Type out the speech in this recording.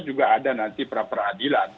juga ada nanti pra peradilan